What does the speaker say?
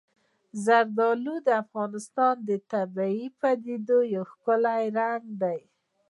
زردالو د افغانستان د طبیعي پدیدو یو ښکلی رنګ دی.